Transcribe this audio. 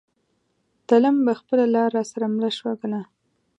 تلم به خپله لار را سره مله شوه نگارا